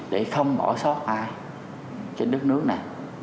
để không bỏ sót ai trên đất nước này